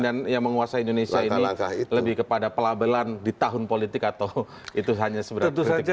dan yang menguasai indonesia ini lebih kepada pelabelan di tahun politik atau itu hanya sebuah kritik biasa